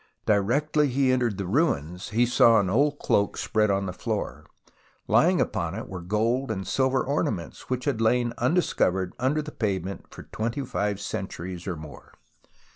Di rectly he entered the ruins he saw an old cloak spread on the floor, and lying upon it were gold and silver ornaments, which had lain undiscovered under the pavement for twenty five centuries or more.